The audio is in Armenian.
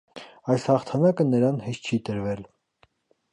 Այս հաղթանակը նրան հեշտ չի տրվել։